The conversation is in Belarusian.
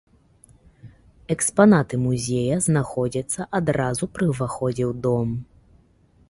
Экспанаты музея знаходзяцца адразу пры ўваходзе ў дом.